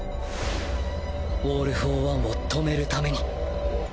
オール・フォー・ワンを止めるために